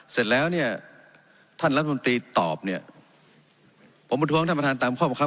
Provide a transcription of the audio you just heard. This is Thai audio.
เสร็จแล้วเนี่ยท่านรัฐมนตรีตอบเนี่ยผมประท้วงท่านประธานตามข้อบังคับ